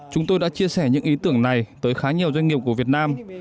chúng tôi đã chia sẻ những ý tưởng này tới khá nhiều doanh nghiệp của việt nam